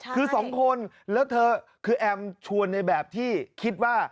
คือสองคนแล้วเธอคือแอมชวนในแบบที่คิดว่า